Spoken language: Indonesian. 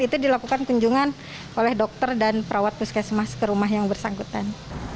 itu dilakukan kunjungan oleh dokter dan perawat puskesmas ke rumah yang bersangkutan